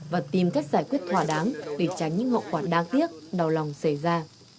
và tìm cách giải quyết thỏa đáng để tránh những hậu quả đáng tiếc đau lòng xảy ra